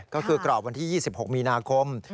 ก็คือกรอบวันที่๒๖มีนาคม